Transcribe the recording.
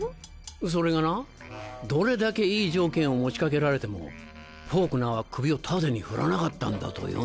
それがなどれだけいい条件を持ち掛けられてもフォークナーは首を縦に振らなかったんだとよ。